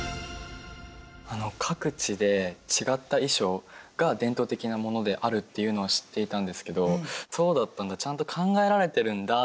各地で違った衣装が伝統的なものであるっていうのは知っていたんですけどそうだったんだちゃんと考えられてるんだっていう発見がありましたね。